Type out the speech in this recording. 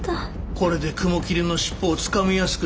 これで雲霧の尻尾をつかみやすくなるであろう。